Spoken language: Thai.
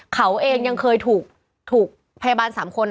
เขาเองยังเคยถูก